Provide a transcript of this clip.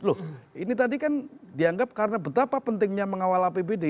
loh ini tadi kan dianggap karena betapa pentingnya mengawal apbd